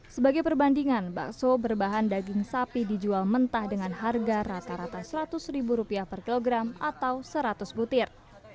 sebagai perbandingan bakso berbahan daging sapi dijual mentah dengan harga rata rata seratus ribu rupiah per kilogram atau seratus butir